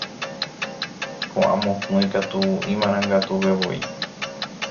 Ko'ã mokõi katu imarangatuvevoi.